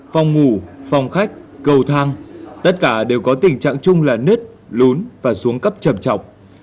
phòng ngủ phòng khách cầu thang tất cả đều có tình trạng chung là nứt lún và xuống cấp trầm trọng